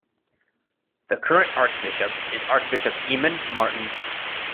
The current Archbishop is Archbishop Eamon Martin.